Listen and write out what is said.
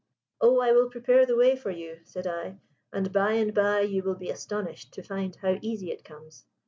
"Oh, I will prepare the way for you," said I: "and by and by you will be astonished to find how easy it comes."